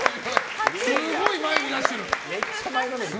すごい前に出してる！